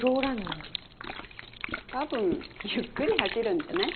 たぶんゆっくり走るんじゃない？